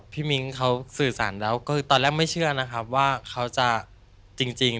มิ้งเขาสื่อสารแล้วคือตอนแรกไม่เชื่อนะครับว่าเขาจะจริง